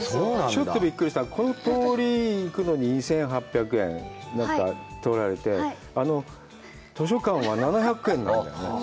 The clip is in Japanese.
ちょっとびっくりしたのは、この通りに行くのに２８００円を取られて、あの図書館は７００円なんだよね。